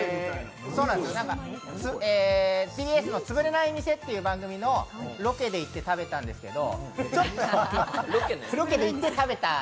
ＴＢＳの「つぶれない店」という番組のロケで行って食べたんですけど。